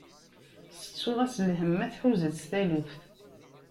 Settuɣ-as lhem, ma tḥuza-tt taluft.